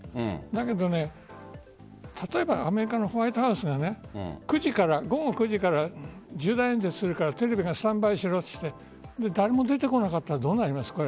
だけど、例えばアメリカのホワイトハウスが午後９時から重大演説をするからスタンバイしろと言って誰も出てこなかったらどうなりますか？